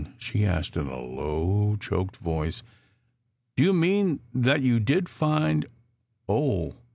she asked in a low, choked voice. "Do you mean that you did find oh!